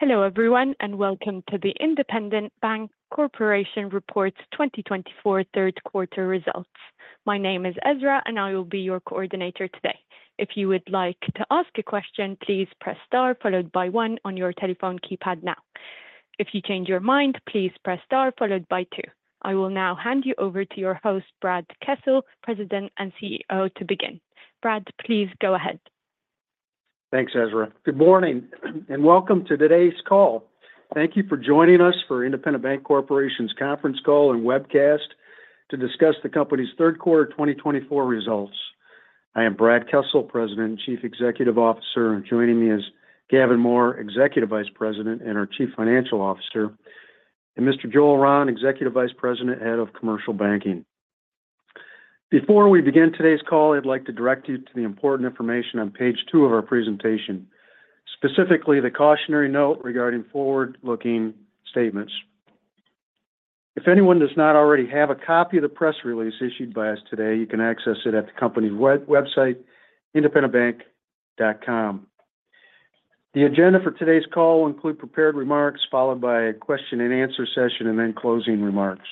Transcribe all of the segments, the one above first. Hello everyone, and welcome to the Independent Bank Corporation Reports 2024 Third Quarter Results. My name is Ezra, and I will be your coordinator today. If you would like to ask a question, please press Star followed by one on your telephone keypad now. If you change your mind, please press Star followed by two. I will now hand you over to your host, Brad Kessel, President and CEO, to begin. Brad, please go ahead. Thanks, Ezra. Good morning, and welcome to today's call. Thank you for joining us for Independent Bank Corporation's conference call and webcast to discuss the company's third quarter twenty twenty-four results. I am Brad Kessel, President and Chief Executive Officer, and joining me is Gavin Mohr, Executive Vice President and our Chief Financial Officer, and Mr. Joel Rahn, Executive Vice President, Head of Commercial Banking. Before we begin today's call, I'd like to direct you to the important information on page two of our presentation, specifically the cautionary note regarding forward-looking statements. If anyone does not already have a copy of the press release issued by us today, you can access it at the company website, independentbank.com. The agenda for today's call will include prepared remarks, followed by a question and answer session, and then closing remarks.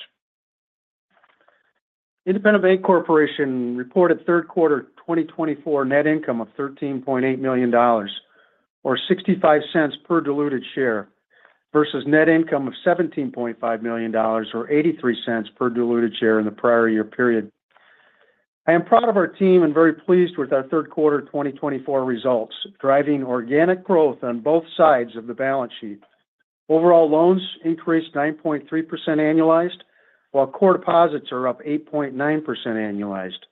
Independent Bank Corporation reported third quarter 2024 net income of $13.8 million, or $0.65 per diluted share, versus net income of $17.5 million or $0.83 per diluted share in the prior-year period. I am proud of our team and very pleased with our third quarter 2024 results, driving organic growth on both sides of the balance sheet. Overall loans increased 9.3% annualized, while core deposits are up 8.9% annualized.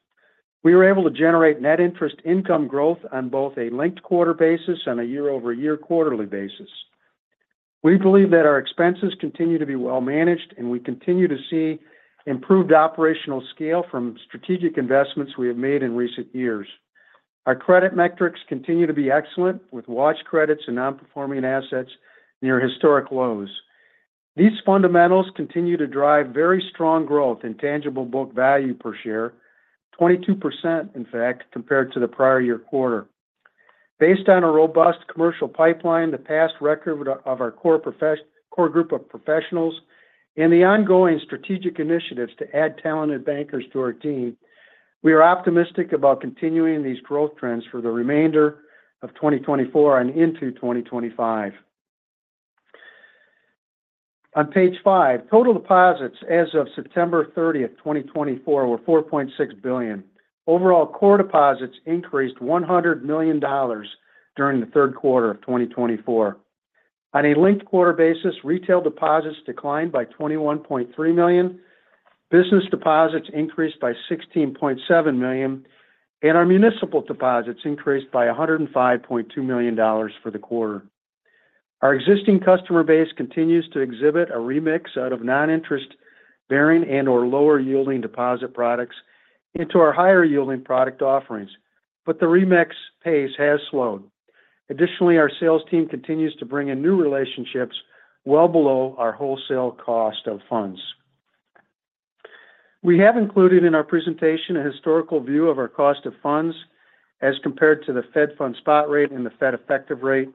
We were able to generate net interest income growth on both a linked quarter basis and a year-over-year quarterly basis. We believe that our expenses continue to be well managed, and we continue to see improved operational scale from strategic investments we have made in recent years. Our credit metrics continue to be excellent, with watch credits and non-performing assets near historic lows. These fundamentals continue to drive very strong growth in tangible book value per share, 22%, in fact, compared to the prior-year quarter. Based on a robust commercial pipeline, the past record with our core group of professionals, and the ongoing strategic initiatives to add talented bankers to our team, we are optimistic about continuing these growth trends for the remainder of 2024 and into 2025. On page five, total deposits as of September 30th, 2024, were $4.6 billion. Overall, core deposits increased $100 million during the third quarter of 2024. On a linked quarter basis, retail deposits declined by $21.3 million, business deposits increased by $16.7 million, and our municipal deposits increased by $105.2 million for the quarter. Our existing customer base continues to exhibit a remix out of non-interest bearing and/or lower yielding deposit products into our higher yielding product offerings, but the remix pace has slowed. Additionally, our sales team continues to bring in new relationships well below our wholesale cost of funds. We have included in our presentation a historical view of our cost of funds as compared to the Fed Funds spot rate and the Fed Effective rate.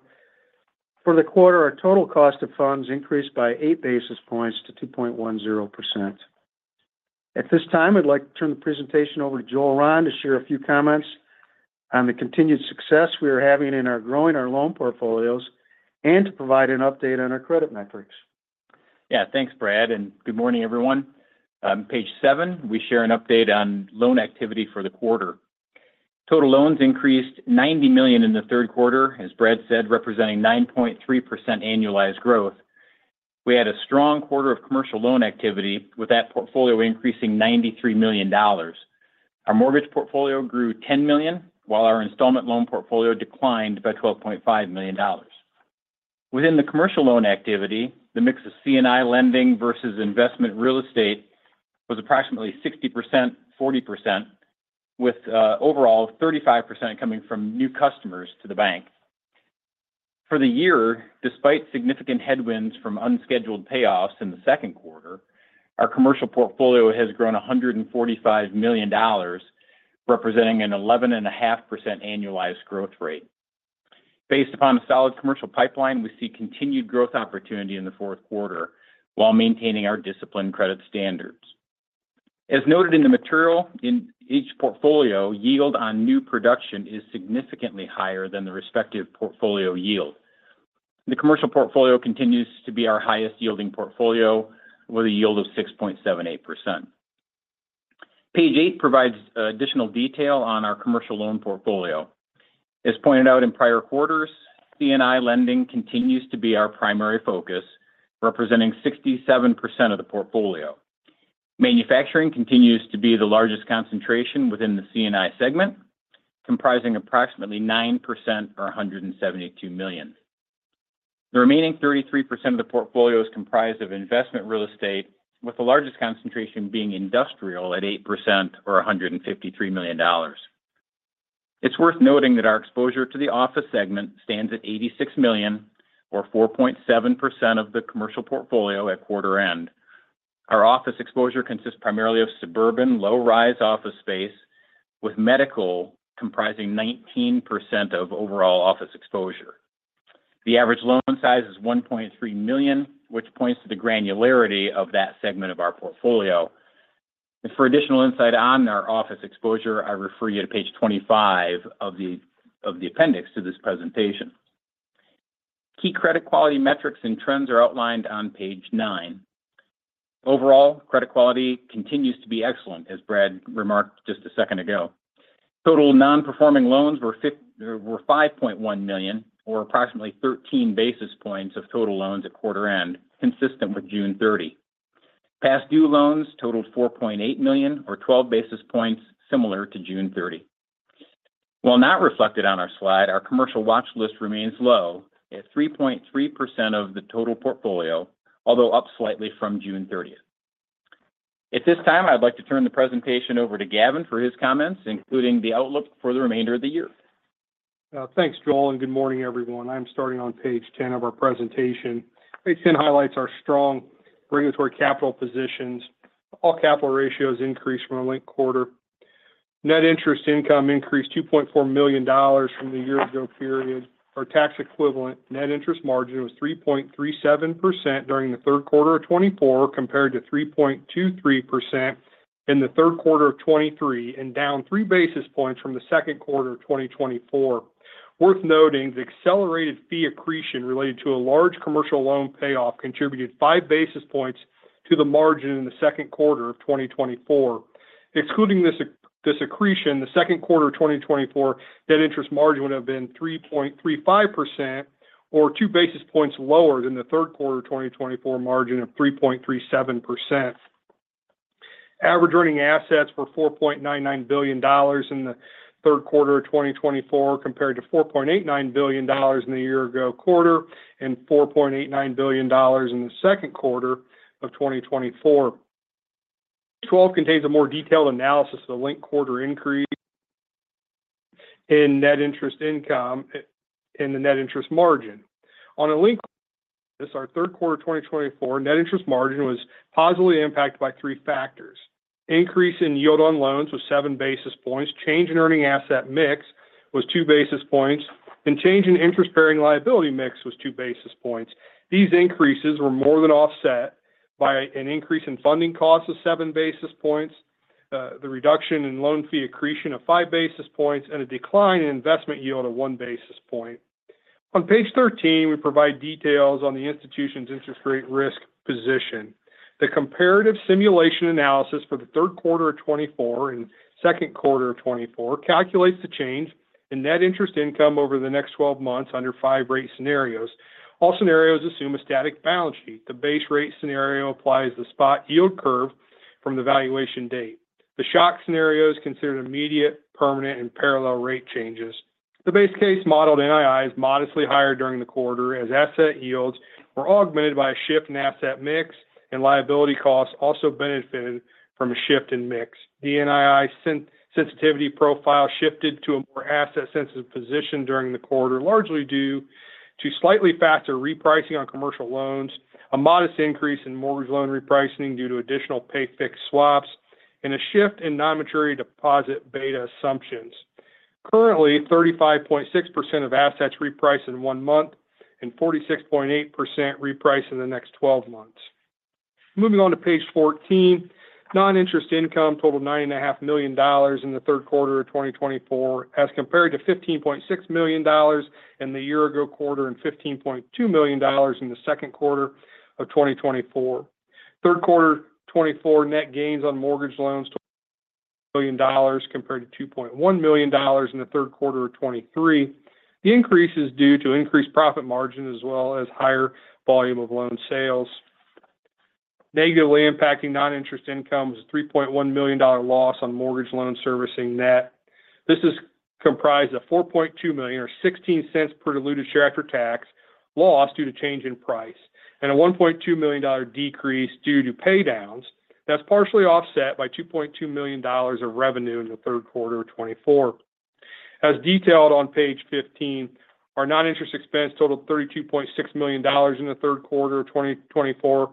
For the quarter, our total cost of funds increased by eight basis points to 2.10%. At this time, I'd like to turn the presentation over to Joel Rahn to share a few comments on the continued success we are having in growing our loan portfolios and to provide an update on our credit metrics. Yeah, thanks, Brad, and good morning, everyone. Page seven, we share an update on loan activity for the quarter. Total loans increased $90 million in the third quarter, as Brad said, representing 9.3% annualized growth. We had a strong quarter of commercial loan activity, with that portfolio increasing $93 million. Our mortgage portfolio grew $10 million, while our installment loan portfolio declined by $12.5 million. Within the commercial loan activity, the mix of C&I lending versus investment real estate was approximately 60%-40%, with overall 35% coming from new customers to the bank. For the year, despite significant headwinds from unscheduled payoffs in the second quarter, our commercial portfolio has grown $145 million, representing an 11.5% annualized growth rate. Based upon a solid commercial pipeline, we see continued growth opportunity in the fourth quarter while maintaining our disciplined credit standards. As noted in the material, in each portfolio, yield on new production is significantly higher than the respective portfolio yield. The commercial portfolio continues to be our highest-yielding portfolio, with a yield of 6.78%. Page eight provides additional detail on our commercial loan portfolio. As pointed out in prior quarters, C&I lending continues to be our primary focus, representing 67% of the portfolio. Manufacturing continues to be the largest concentration within the C&I segment, comprising approximately 9%, or $172 million. The remaining 33% of the portfolio is comprised of investment real estate, with the largest concentration being industrial at 8%, or $153 million. It's worth noting that our exposure to the office segment stands at $86 million, or 4.7% of the commercial portfolio at, quarter end. Our office exposure consists primarily of suburban low-rise office space, with medical comprising 19% of overall office exposure. The average loan size is $1.3 million, which points to the granularity of that segment of our portfolio. For additional insight on our office exposure, I refer you to page 25 of the appendix to this presentation. Key credit quality metrics and trends are outlined on page 9. Overall, credit quality continues to be excellent, as Brad remarked just a second ago. Total non-performing loans were $5.1 million, or approximately 13 basis points of total loans, at quarter end, consistent with June 30. Past due loans totaled $4.8 million, or 12 basis points, similar to June 30. While not reflected on our slide, our commercial watch list remains low at 3.3% of the total portfolio, although up slightly from June 30th. At this time, I'd like to turn the presentation over to Gavin for his comments, including the outlook for the remainder of the year. Thanks, Joel, and good morning, everyone. I'm starting on page ten of our presentation. Page ten highlights our strong regulatory capital positions. All capital ratios increased from the linked quarter. Net interest income increased $2.4 million from the year-ago period. Our tax equivalent net interest margin was 3.37% during the third quarter of 2024, compared to 3.23% in the third quarter of 2023, and down three basis points from the second quarter of 2024. Worth noting, the accelerated fee accretion related to a large commercial loan payoff contributed five basis points to the margin in the second quarter of 2024. Excluding this accretion, the second quarter of 2024 net interest margin would have been 3.35% or two basis points lower than the third quarter of 2024 margin of 3.37%. Average earning assets were $4.99 billion in the third quarter of 2024, compared to $4.89 billion in the year-ago quarter and $4.89 billion in the second quarter of 2024. Twelve contains a more detailed analysis of the linked quarter increase in net interest income and the net interest margin. On a linked quarter basis, our third quarter of 2024 net interest margin was positively impacted by three factors. Increase in yield on loans was seven basis points, change in earning asset mix was two basis points, and change in interest-bearing liability mix was two basis points. These increases were more than offset by an increase in funding costs of seven basis points, the reduction in loan fee accretion of five basis points, and a decline in investment yield of one basis point. On page thirteen, we provide details on the institution's interest rate risk position. The comparative simulation analysis for the third quarter of 2024 and second quarter of 2024 calculates the change in net interest income over the next twelve months under five rate scenarios. All scenarios assume a static balance sheet. The base rate scenario applies the spot yield curve from the valuation date. The shock scenario is considered immediate, permanent, and parallel rate changes. The base case modeled NII is modestly higher during the quarter, as asset yields were augmented by a shift in asset mix and liability costs also benefited from a shift in mix. The NII sensitivity profile shifted to a more asset-sensitive position during the quarter, largely due to slightly faster repricing on commercial loans, a modest increase in mortgage loan repricing due to additional pay-fixed swaps, and a shift in non-maturity deposit beta assumptions. Currently, 35.6% of assets reprice in one month and 46.8% reprice in the next twelve months. Moving on to page 14, non-interest income totaled $9.5 million in the third quarter of 2024, as compared to $15.6 million in the year-ago quarter and $15.2 million in the second quarter of 2024. Third quarter 2024 net gains on mortgage loans million dollars, compared to $2.1 million in the third quarter of 2023. The increase is due to increased profit margin as well as higher volume of loan sales. Negatively impacting non-interest income was a $3.1 million loss on mortgage loan servicing net. This is comprised of $4.2 million or $0.16 per diluted share after tax loss due to change in price, and a $1.2 million decrease due to pay downs. That's partially offset by $2.2 million of revenue in the third quarter of 2024. As detailed on page 15, our non-interest expense totaled $32.6 million in the third quarter of 2024,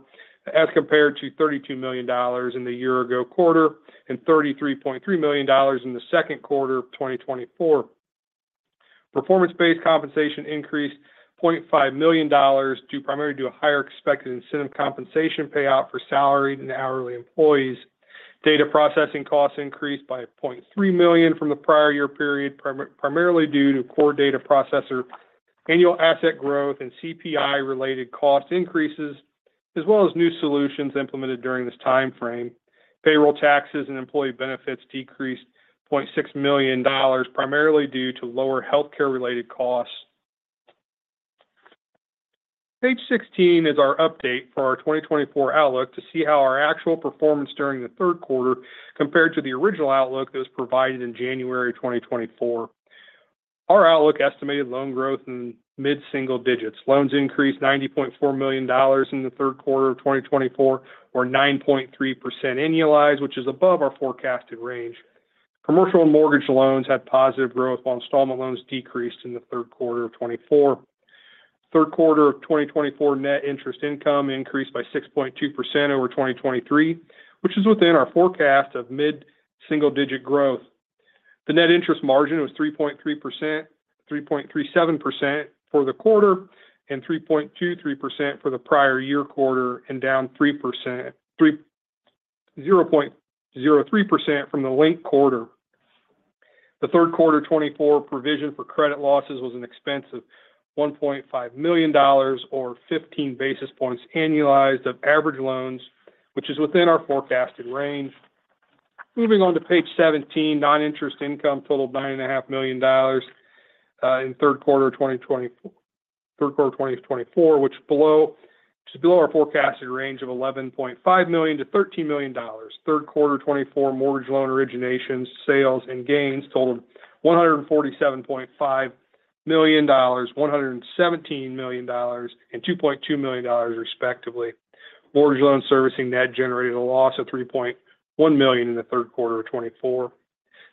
as compared to $32 million in the year-ago quarter and $33.3 million in the second quarter of 2024. Performance-based compensation increased $0.5 million, due primarily to a higher expected incentive compensation payout for salaried and hourly employees. Data processing costs increased by $0.3 million from the prior-year period, primarily due to core data processor, annual asset growth, and CPI-related cost increases, as well as new solutions implemented during this timeframe. Payroll taxes and employee benefits decreased $0.6 million, primarily due to lower healthcare-related costs. Page sixteen is our update for our 2024 outlook to see how our actual performance during the third quarter compared to the original outlook that was provided in January 2024. Our outlook estimated loan growth in mid-single digits. Loans increased $90.4 million in the third quarter of 2024, or 9.3% annualized, which is above our forecasted range. Commercial and mortgage loans had positive growth, while installment loans decreased in the third quarter of 2024. Third quarter of 2024 net interest income increased by 6.2% over 2023, which is within our forecast of mid-single-digit growth. The net interest margin was 3.3%, 3.37% for the quarter, and 3.23% for the prior-year quarter, and down 0.03% from the linked quarter. The third quarter 2024 provision for credit losses was an expense of $1.5 million or 15 basis points annualized of average loans, which is within our forecasted range. Moving on to page 17, non-interest income totaled $9.5 million in the third quarter of 2024, which is below our forecasted range of $11.5 million-$13 million. Third quarter 2024 mortgage loan originations, sales, and gains totaled $147.5 million, $117 million, and $2.2 million respectively. Mortgage loan servicing net generated a loss of $3.1 million in the third quarter of 2024.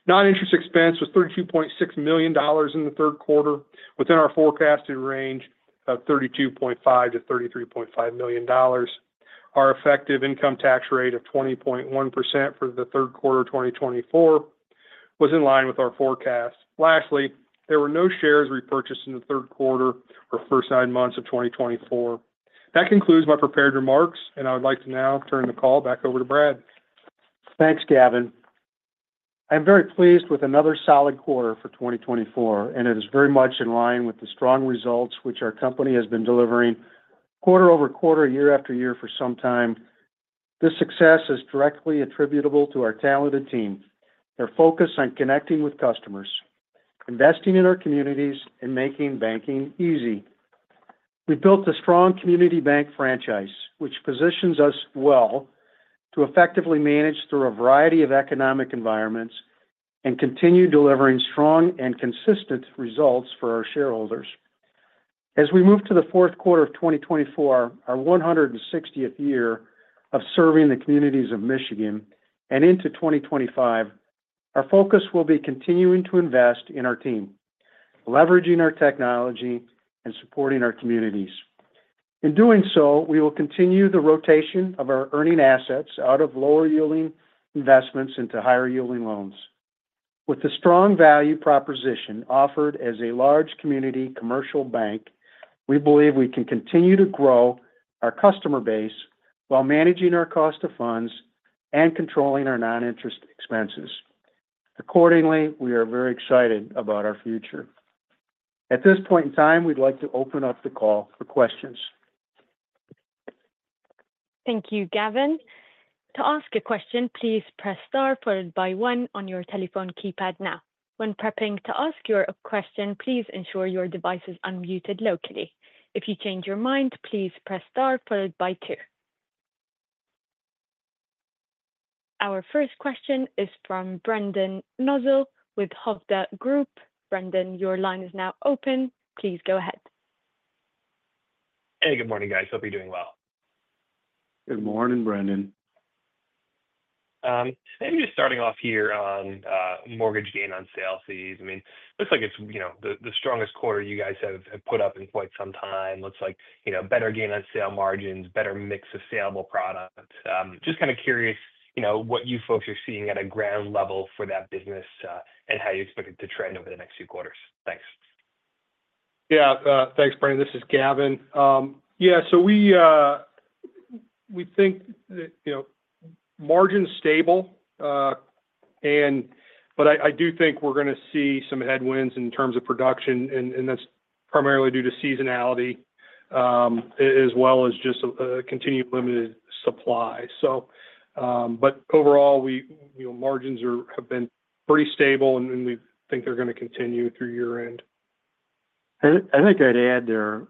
Non-interest expense was $32.6 million in the third quarter, within our forecasted range of $32.5 million-$33.5 million. Our effective income tax rate of 20.1% for the third quarter of 2024 was in line with our forecast. Lastly, there were no shares repurchased in the third quarter or first nine months of 2024. That concludes my prepared remarks, and I would like to now turn the call back over to Brad. Thanks, Gavin. I'm very pleased with another solid quarter for twenty twenty-four, and it is very much in line with the strong results which our company has been delivering quarter over quarter, year-after-year for some time. This success is directly attributable to our talented team, their focus on connecting with customers, investing in our communities, and making banking easy. We built a strong community bank franchise, which positions us well to effectively manage through a variety of economic environments and continue delivering strong and consistent results for our shareholders. As we move to the fourth quarter of 2024, our 160th-year of serving the communities of Michigan and into 2025, our focus will be continuing to invest in our team, leveraging our technology, and supporting our communities. In doing so, we will continue the rotation of our earning assets out of lower-yielding investments into higher-yielding loans. With the strong value proposition offered as a large community commercial bank, we believe we can continue to grow our customer base while managing our cost of funds and controlling our non-interest expenses. Accordingly, we are very excited about our future. At this point in time, we'd like to open up the call for questions. Thank you, Gavin. To ask a question, please press Star followed by One on your telephone keypad now. When prepping to ask your question, please ensure your device is unmuted locally. If you change your mind, please press Star followed by Two. Our first question is from Brendan Nosal with Hovde Group. Brendan, your line is now open. Please go ahead. Hey, good morning, guys. Hope you're doing well. Good morning, Brendan. Maybe just starting off here on mortgage gain on sale fees. I mean, looks like it's, you know, the strongest quarter you guys have put up in quite some time. Looks like, you know, better gain on sale margins, better mix of saleable products. Just kind of curious, you know, what you folks are seeing at a ground level for that business, and how you expect it to trend over the next few quarters? Thanks. Yeah, thanks, Brendan. This is Gavin. Yeah, so we think that, you know, margin's stable, and but I do think we're going to see some headwinds in terms of production, and that's primarily due to seasonality, as well as just continued limited supply. So, but overall, we, you know, margins are, have been pretty stable, and we think they're going to continue through year-end. I think I'd add there,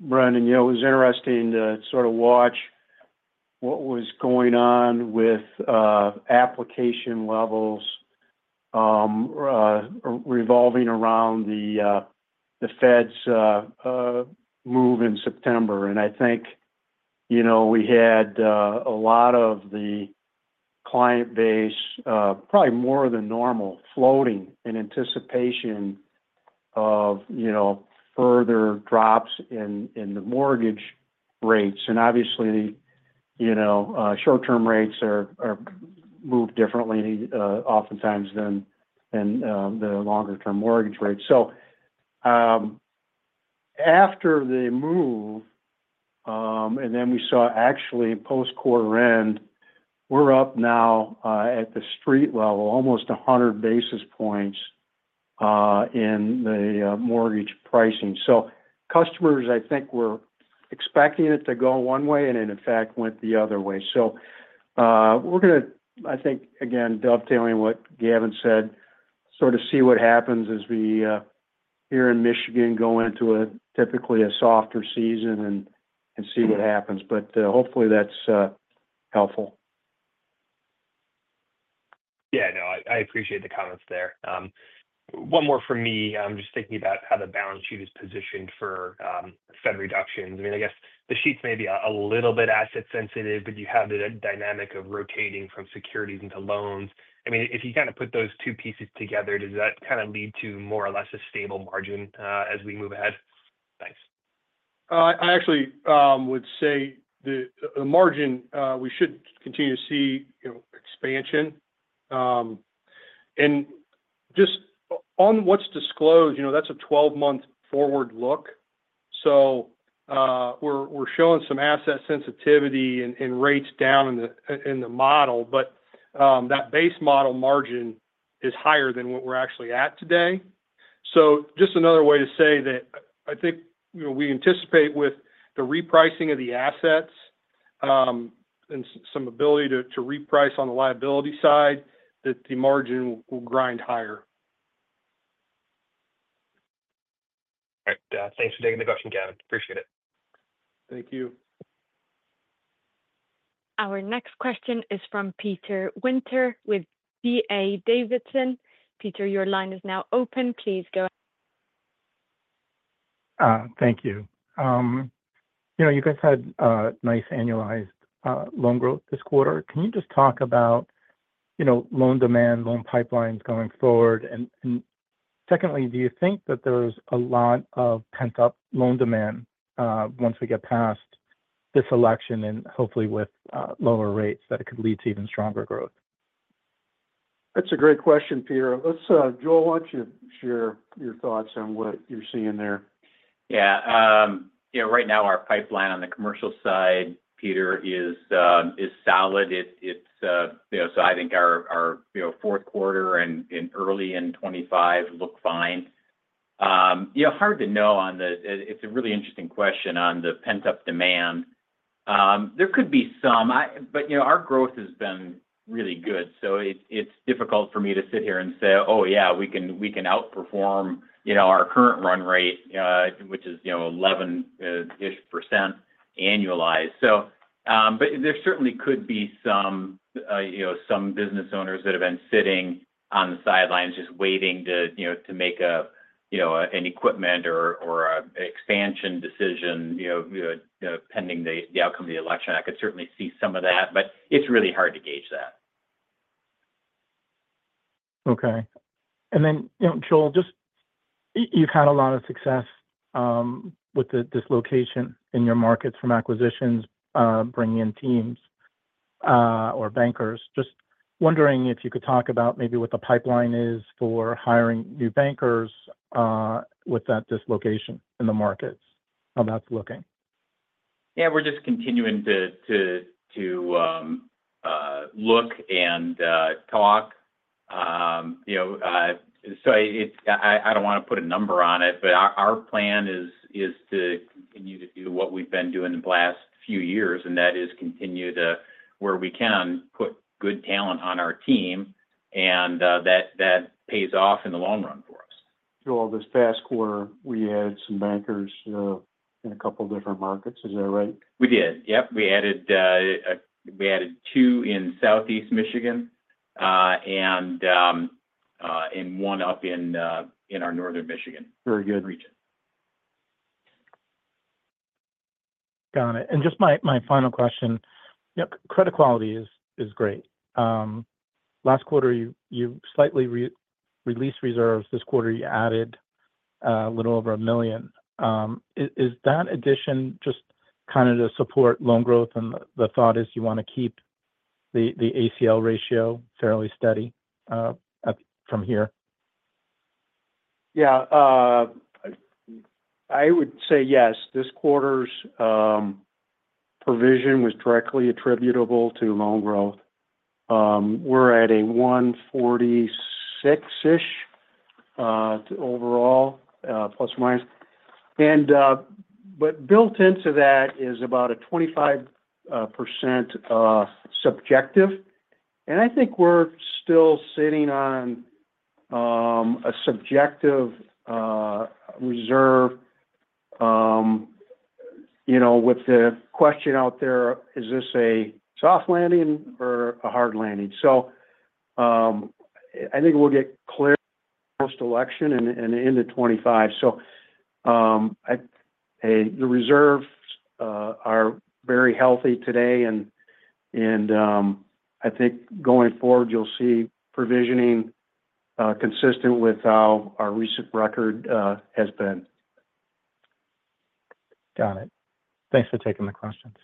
Brendan, you know, it was interesting to sort of watch what was going on with application levels revolving around the Fed's move in September. And I think, you know, we had a lot of the client base probably more than normal, floating in anticipation of, you know, further drops in the mortgage rates. And obviously, you know, short-term rates are moved differently oftentimes than the longer-term mortgage rates. So after the move, and then we saw actually post-quarter end, we're up now at the street level, almost a hundred basis points in the mortgage pricing. So customers, I think, were expecting it to go one way, and it, in fact, went the other way. So, we're going to, I think, again, dovetailing what Gavin said, sort of see what happens as we here in Michigan go into a typically softer season and see what happens. But hopefully, that's helpful. Yeah. No, I appreciate the comments there. One more from me. I'm just thinking about how the balance sheet is positioned for Fed reductions. I mean, I guess the sheets may be a little bit asset sensitive, but you have the dynamic of rotating from securities into loans. I mean, if you kind of put those two pieces together, does that kind of lead to more or less a stable margin as we move ahead? Thanks.... I actually would say the margin we should continue to see, you know, expansion and just on what's disclosed, you know, that's a twelve-month forward look, so we're showing some asset sensitivity and rates down in the model, but that base model margin is higher than what we're actually at today, so just another way to say that I think, you know, we anticipate with the repricing of the assets and some ability to reprice on the liability side, that the margin will grind higher. All right. Thanks for taking the question, Gavin. Appreciate it. Thank you. Our next question is from Peter Winter with D.A. Davidson. Peter, your line is now open. Please go ahead. Thank you. You know, you guys had a nice annualized loan growth this quarter. Can you just talk about, you know, loan demand, loan pipelines going forward? And secondly, do you think that there's a lot of pent-up loan demand once we get past this election and hopefully with lower rates, that it could lead to even stronger growth? That's a great question, Peter. Let's, Joel, why don't you share your thoughts on what you're seeing there? Yeah, you know, right now, our pipeline on the commercial side, Peter, is solid. It's you know, so I think our you know, fourth quarter and early in 2025 look fine. Yeah, hard to know. It's a really interesting question on the pent-up demand. There could be some. But, you know, our growth has been really good, so it's difficult for me to sit here and say, "Oh, yeah, we can outperform, you know, our current run rate," which is, you know, 11ish% annualized. There certainly could be some, you know, some business owners that have been sitting on the sidelines just waiting to, you know, to make a, you know, an equipment or a expansion decision, you know, pending the outcome of the election. I could certainly see some of that, but it's really hard to gauge that. Okay. And then, you know, Joel, just you've had a lot of success with the dislocation in your markets from acquisitions, bringing in teams or bankers. Just wondering if you could talk about maybe what the pipeline is for hiring new bankers with that dislocation in the markets, how that's looking. Yeah, we're just continuing to look and talk. You know, so it's, I don't want to put a number on it, but our plan is to continue to do what we've been doing the last few years, and that is continue to, where we can, put good talent on our team, and that pays off in the long run for us. Joel, this past quarter, we added some bankers in a couple different markets. Is that right? We did. Yep. We added two in Southeast Michigan, and one up in our Northern Michigan- Very good -region. Got it. And just my final question. You know, credit quality is great. Last quarter, you slightly released reserves. This quarter, you added a little over a million. Is that addition just kind of to support loan growth, and the thought is you want to keep the ACL ratio fairly steady from here? Yeah, I would say yes. This quarter's provision was directly attributable to loan growth. We're at a 146-ish overall, plus or minus. And, but built into that is about a 25% subjective. And I think we're still sitting on a subjective reserve. You know, with the question out there, is this a soft landing or a hard landing? So, the reserves are very healthy today, and, I think going forward, you'll see provisioning consistent with how our recent record has been. Got it. Thanks for taking the questions.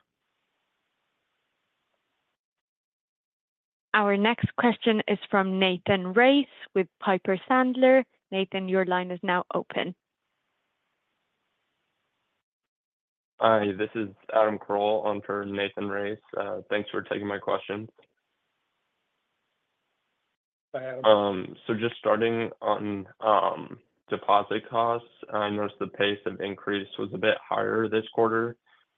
Our next question is from Nathan Race with Piper Sandler. Nathan, your line is now open. Hi, this is Adam Carroll on for Nathan Race. Thanks for taking my question. Hi, Adam. So just starting on deposit costs. I noticed the pace of increase was a bit higher this quarter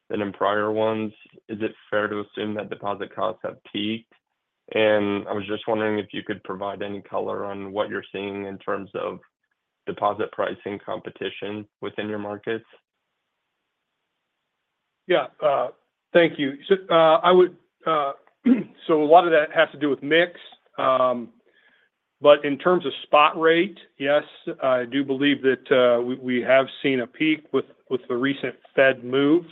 than in prior ones. Is it fair to assume that deposit costs have peaked? And I was just wondering if you could provide any color on what you're seeing in terms of deposit pricing competition within your markets? Yeah, thank you, so I would so a lot of that has to do with mix, but in terms of spot rate, yes, I do believe that we have seen a peak with the recent Fed move....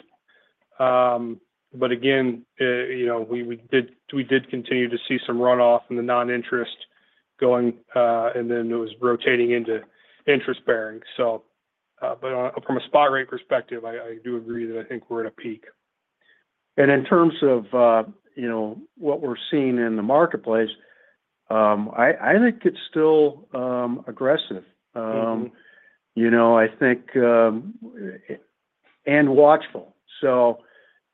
But again, you know, we did continue to see some runoff in the non-interest bearing, and then it was rotating into interest-bearing. So but, from a spot rate perspective, I do agree that I think we're at a peak. And in terms of, you know, what we're seeing in the marketplace, I think it's still aggressive. Mm-hmm. You know, I think and watchful. So,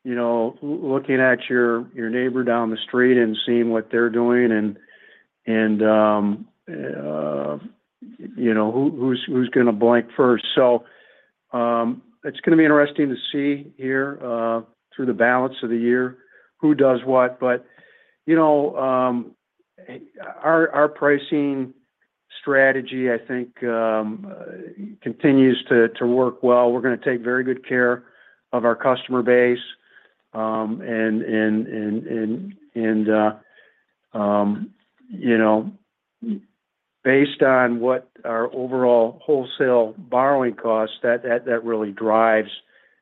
you know, looking at your neighbor down the street and seeing what they're doing, and you know, who's gonna blink first? So, it's gonna be interesting to see here, through the balance of the year, who does what. But, you know, our pricing strategy, I think, continues to work well. We're gonna take very good care of our customer base, and you know, based on what our overall wholesale borrowing costs, that really drives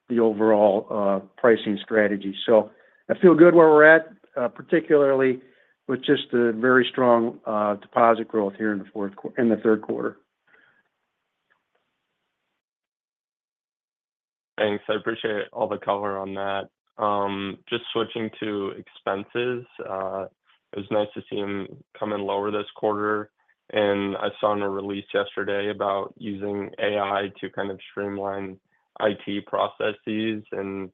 the overall pricing strategy. So I feel good where we're at, particularly with just the very strong deposit growth here in the third quarter. Thanks. I appreciate all the color on that. Just switching to expenses, it was nice to see them come in lower this quarter, and I saw in a release yesterday about using AI to kind of streamline IT processes, and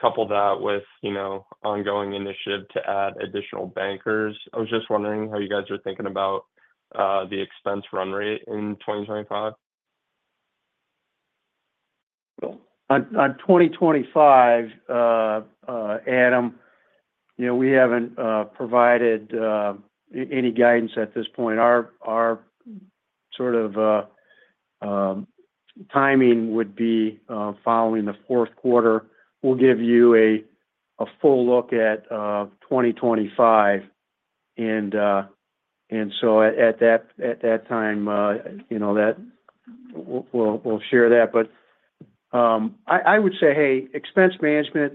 couple that with, you know, ongoing initiative to add additional bankers. I was just wondering how you guys are thinking about the expense run rate in twenty twenty-five? On 2025, Adam, you know, we haven't provided any guidance at this point. Our sort of timing would be following the fourth quarter. We'll give you a full look at 2025, and so at that time, you know, we'll share that. But I would say, hey, expense management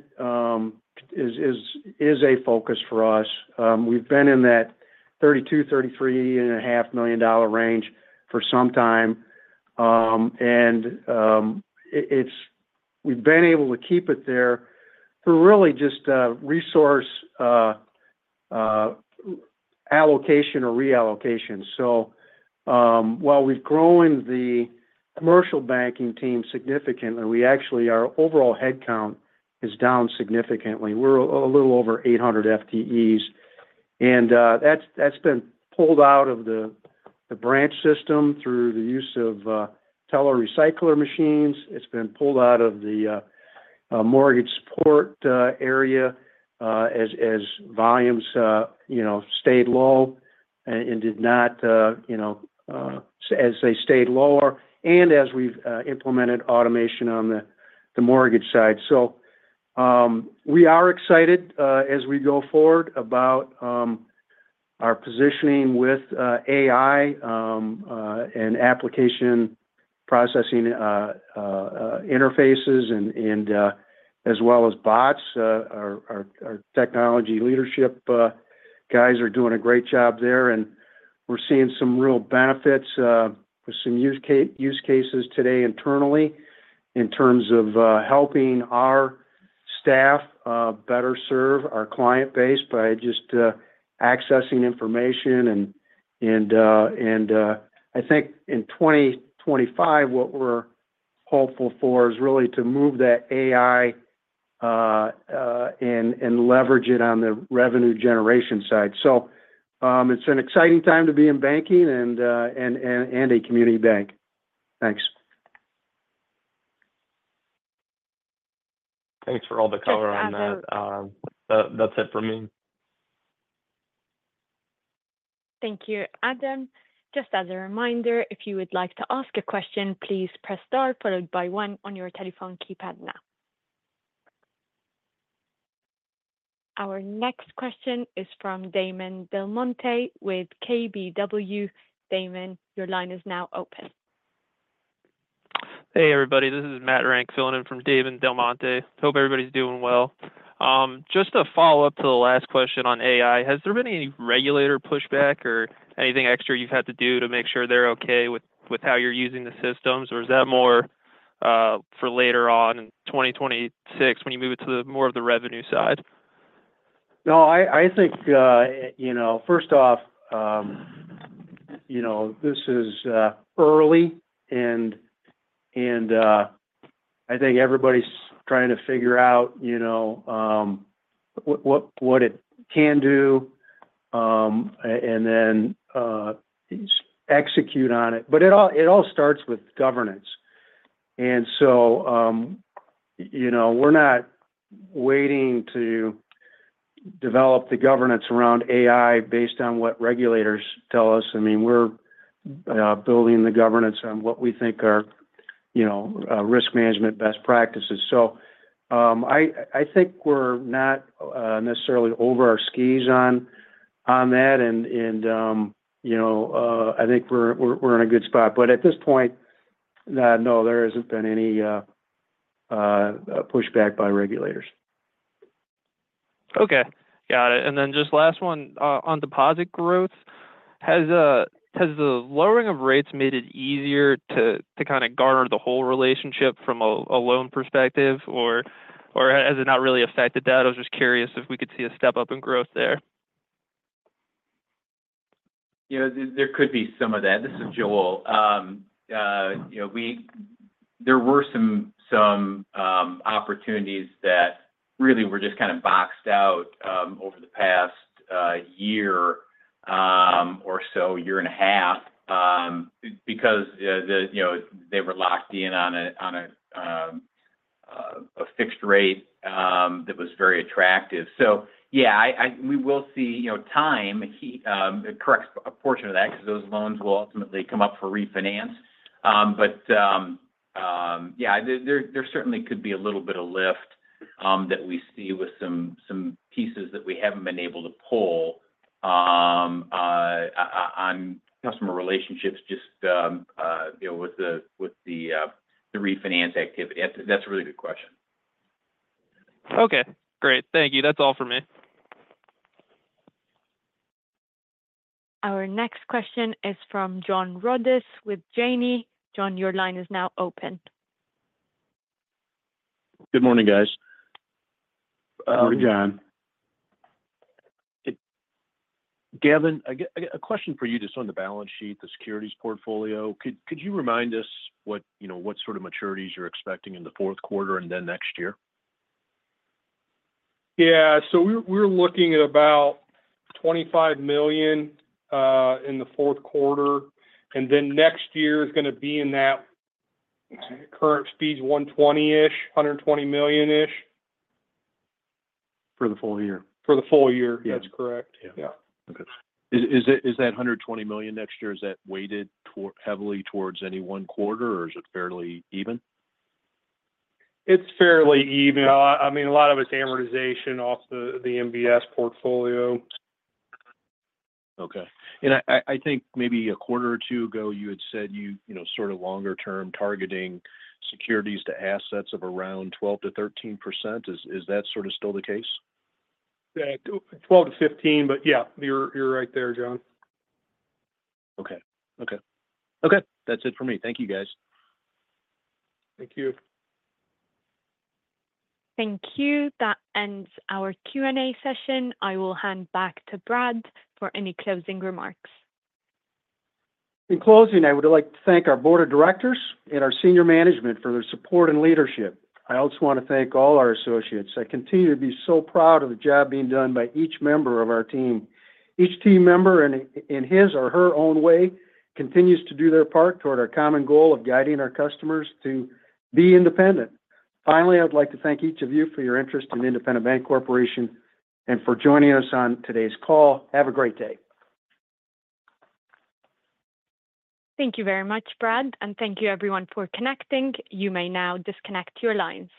is a focus for us. We've been in that $32-$33.5 million range for some time, and it's. We've been able to keep it there for really just resource allocation or reallocation. So, while we've grown the commercial banking team significantly, we actually, our overall head count is down significantly. We're a little over eight hundred FTEs, and that's been pulled out of the branch system through the use of teller recycler machines. It's been pulled out of the mortgage support area as volumes you know stayed low and did not you know. As they stayed lower and as we've implemented automation on the mortgage side. So we are excited as we go forward about our positioning with AI and application processing interfaces and as well as bots. Our technology leadership guys are doing a great job there, and we're seeing some real benefits with some use cases today internally, in terms of helping our staff better serve our client base by just accessing information. I think in 2025, what we're hopeful for is really to move that AI and leverage it on the revenue generation side. It's an exciting time to be in banking and a community bank. Thanks. Thanks for all the color on that. Just as a- That's it for me. Thank you, Adam. Just as a reminder, if you would like to ask a question, please press star followed by one on your telephone keypad now. Our next question is from Damon Del Monte with KBW. Damon, your line is now open. Hey, everybody. This is Matt Renck, filling in from Damon Del Monte. Hope everybody's doing well. Just a follow-up to the last question on AI: Has there been any regulator pushback or anything extra you've had to do to make sure they're okay with how you're using the systems? Or is that more for later on in twenty twenty-six, when you move it to the more of the revenue side? No, I think, you know, first off, you know, this is early, and I think everybody's trying to figure out, you know, what it can do, and then execute on it. But it all starts with governance. And so, you know, we're not waiting to develop the governance around AI based on what regulators tell us. I mean, we're building the governance on what we think are, you know, risk management best practices. So, I think we're not necessarily over our skis on that, and, you know, I think we're in a good spot. But at this point, no, there hasn't been any pushback by regulators. Okay, got it. And then just last one, on deposit growth. Has the lowering of rates made it easier to kind of garner the whole relationship from a loan perspective? Or has it not really affected that? I was just curious if we could see a step-up in growth there. You know, there could be some of that. This is Joel. You know, we, there were some opportunities that really were just kind of boxed out over the past year or so, year and a half, because, you know, they were locked in on a fixed rate that was very attractive. So yeah, I, we will see, you know, time will correct a portion of that because those loans will ultimately come up for refinance, but yeah, there certainly could be a little bit of lift that we see with some pieces that we haven't been able to pull on customer relationships just, you know, with the refinance activity. That's a really good question. Okay, great. Thank you. That's all for me. Our next question is from John Rodis with Janney. John, your line is now open. Good morning, guys. Good morning, John. Gavin, a question for you just on the balance sheet, the securities portfolio. Could you remind us what, you know, what sort of maturities you're expecting in the fourth quarter and then next year? Yeah. So we're looking at about $25 million in the fourth quarter, and then next year is going to be in that current speed, $120 million-ish. For the full year. For the full year. Yeah. That's correct. Yeah. Yeah. Okay. Is it $120 million next year, is that weighted heavily towards any one quarter, or is it fairly even? It's fairly even. I mean, a lot of it's amortization off the MBS portfolio. Okay, and I think maybe a quarter or two ago, you had said, you know, sort of longer term targeting securities to assets of around 12%-13%. Is that sort of still the case? Yeah. 12-15, but yeah, you're right there, John. Okay, that's it for me. Thank you, guys. Thank you. Thank you. That ends our Q&A session. I will hand back to Brad for any closing remarks. In closing, I would like to thank our board of directors and our senior management for their support and leadership. I also want to thank all our associates. I continue to be so proud of the job being done by each member of our team. Each team member in his or her own way continues to do their part toward our common goal of guiding our customers to be independent. Finally, I'd like to thank each of you for your interest in Independent Bank Corporation and for joining us on today's call. Have a great day. Thank you very much, Brad, and thank you everyone for connecting. You may now disconnect your line.